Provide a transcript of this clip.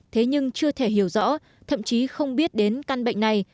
thế nhưng chưa thể hiểu rõ thậm chí không biết đến căn bệnh này